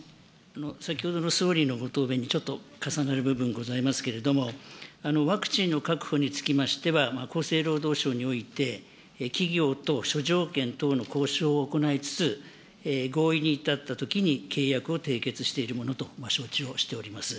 先ほどの総理のご答弁にちょっと重なる部分ございますけれども、ワクチンの確保につきましては、厚生労働省において、企業と諸条件等の交渉を行いつつ、合意に至ったときに契約を締結しているものと承知をしております。